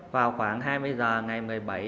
vào khoảng hai mươi giờ ngày một mươi bảy